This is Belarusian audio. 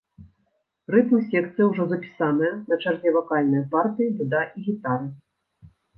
Рытм-секцыя ўжо запісаная, на чарзе вакальныя партыі, дуда і гітары.